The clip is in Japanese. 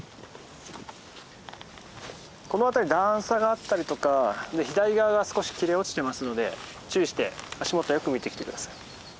この辺り段差があったりとか左側が少し切れ落ちてますので注意して足元をよく見て来て下さい。